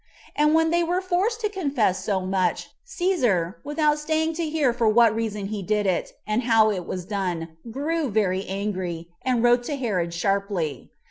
And when they were forced to confess so much, Cæsar, without staying to hear for what reason he did it, and how it was done, grew very angry, and wrote to Herod sharply.